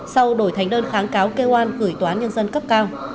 sau đổi thành đơn kháng cáo kêu an gửi tòa án nhân dân cấp cao